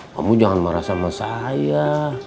kamu jangan marah sama saya